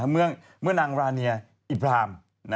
เมื่อนางราเนียอิพราม